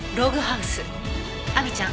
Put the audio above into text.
亜美ちゃん